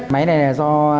máy này là do pháp sản xuất